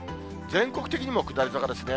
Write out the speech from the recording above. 全国的にも下り坂ですね。